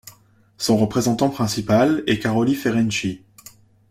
Son représentant principal est Károly Ferenczy.